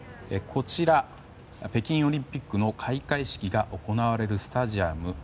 こちら、北京オリンピックの開会式が行われるスタジアム